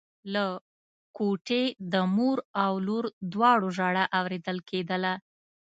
له کوټې د مور او لور دواړو ژړا اورېدل کېدله.